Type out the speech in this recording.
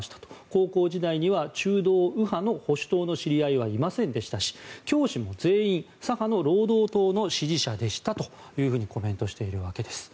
高校時代には中道右派の保守党の知り合いはいませんでしたし教師も全員左派の労働党の支持者でしたとコメントしているわけです。